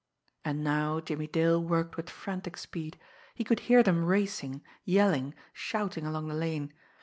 And now Jimmie Dale worked with frantic speed. He could hear them racing, yelling, shouting along the lane.